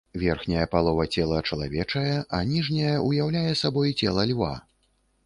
Верхняя палова цела чалавечае, а ніжняя ўяўляе сабой цела льва.